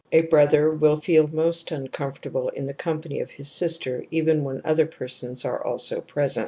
A brother will feel most uncomfortable in the company of his sister even when other persons are also present.